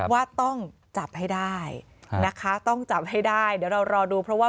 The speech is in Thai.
ว่าต้องจับให้ได้นะคะต้องจับให้ได้เดี๋ยวเรารอดูเพราะว่า